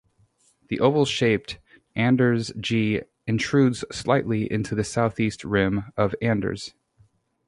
The oval-shaped Anders G intrudes slightly into the southeast rim of Anders.